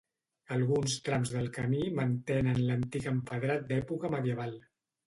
Alguns trams del camí mantenen l'antic empedrat d'època medieval.